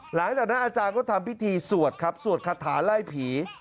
หลังจากนั้นอาจารย์ก็ทำพิธีสวดครับสวดคาถาไล่ผี